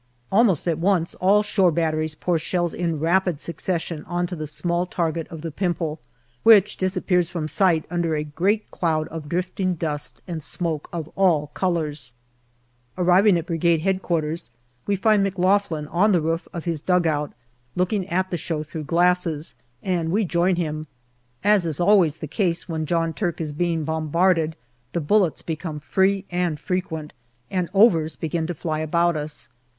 Almost at once all shore batteries pour shells in rapid succession on to the small target of the Pimple, which DECEMBER 287 disappears from sight under a great cloud of drifting dust and smoke of all colours. Arriving at Brigade H.Q., we find McLaughlin on the roof of his dugout looking at the show through glasses, and we join him. As is always the case when John Turk is being bombarded, the bullets become free and frequent, and " overs " begin to fly about us.